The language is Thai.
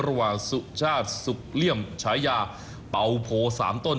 ระหว่างสุชาติสุกเลี่ยมฉายาเป่าโผสามต้น